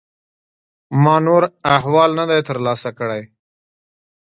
ما نور احوال نه دی ترلاسه کړی.